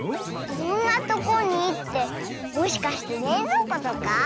こんなとこにってもしかしてれいぞうことか？